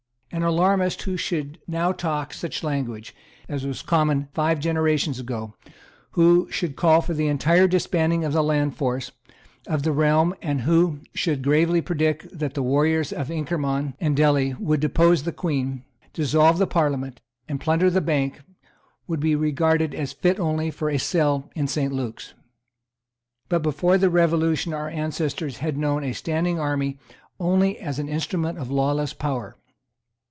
An alarmist who should now talk such language, as was common five generations ago, who should call for the entire disbanding of the land force; of the realm, and who should gravely predict that the warriors of Inkerman and Delhi would depose the Queen, dissolve the Parliament, and plunder the Bank, would be regarded as fit only for a cell in Saint Luke's. But before the Revolution our ancestors had known a standing army only as an instrument of lawless power.